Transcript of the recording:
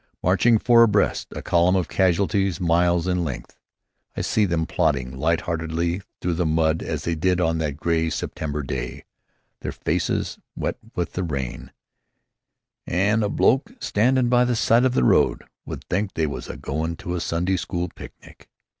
Marching four abreast, a column of casualties miles in length. I see them plodding light heartedly through the mud as they did on that gray September day, their faces wet with the rain, "an' a bloke standin' by the side of the road would think they was a go'n' to a Sunday school picnic."